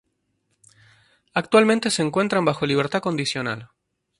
Actualmente se encuentran bajo libertad condicional.